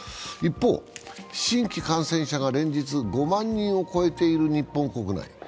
一方、新規感染者が連日５万人を超えている日本国内。